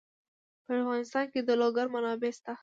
په افغانستان کې د لوگر منابع شته.